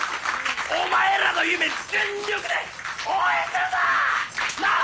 お前らの夢全力で応援するぞ！なぁ！